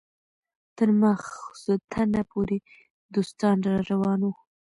تر ماخستنه پورې دوستان راروان وو.